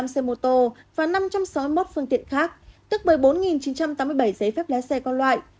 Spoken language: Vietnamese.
hai mươi tám một mươi năm xe mô tô và năm trăm sáu mươi một phương tiện khác tức một mươi bốn chín trăm tám mươi bảy giấy phép lá xe con loại